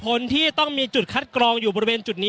อย่างที่บอกไปว่าเรายังยึดในเรื่องของข้อ